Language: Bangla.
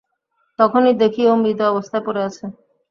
তখনই দেখি ও মৃত অবস্থায় পড়ে আছে।